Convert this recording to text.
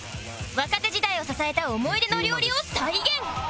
若手時代を支えた思い出の料理を再現